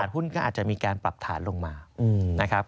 ก็จะมีการปรับฐานลงมานะครับ